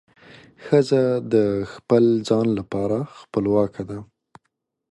ښځه د خپل ځان لپاره خپلواکه ده.